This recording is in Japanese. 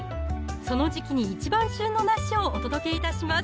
その時期に一番旬の梨をお届けいたします